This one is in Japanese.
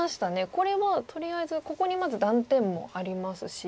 これはとりあえずここにまず断点もありますし